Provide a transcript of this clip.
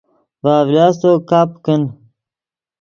ڤے اڤلاستو کپ کن